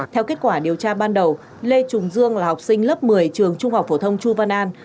theo kết quả điều tra ban đầu lê trùng dương là học sinh lớp một mươi trường trung học phổ thông chu văn an